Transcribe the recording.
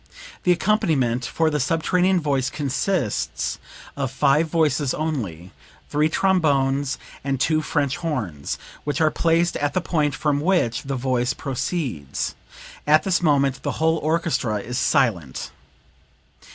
The accompaniment for the subterranean voice consists of five voices only three trombones and two French horns, which are placed at the point from which the voice proceeds. At this moment the whole orchestra is silent."